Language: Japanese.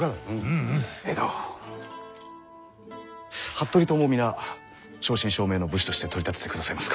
服部党も皆正真正銘の武士として取り立ててくださいますか？